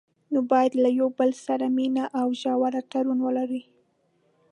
نو باید له یو بل سره مینه او ژور تړون ولري.